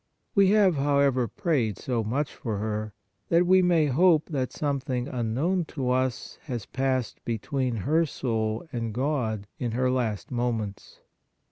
We have, however, prayed so much for her, that we may hope that something unknown to us has passed between her soul and God in her last moments."